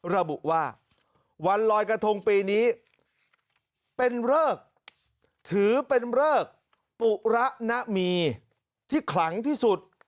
ระบุว่าวันลอยกระทงปีนี้เป็นเริกถือเป็นเริกปุระนะมีที่ขลังที่สุด